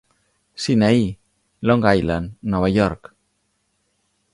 Sinaí, Long Island, Nova York.